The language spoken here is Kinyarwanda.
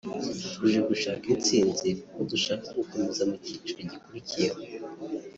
tuje gushaka itsinzi kuko dushaka gukomeza mu cyiciro gikurikiyeho